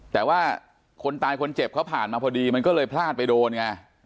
แต่ว่าคนตายคนเจ็บเขาผ่านมาพอดีมันก็เลยพลาดไปโดนไง